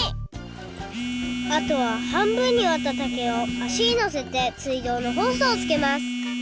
あとは半分にわった竹をあしにのせてすいどうのホースをつけます！